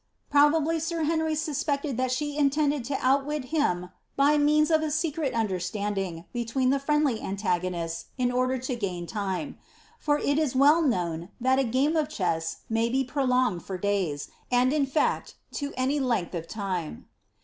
Probably, sir Henry auspected that ahe intandad to outwit him by meana of a secret understanding between the friendly antagonists, in order to gain time ; for it ia well known, that a game or chess may be prolonged for daya, and in &ct to any length of tina.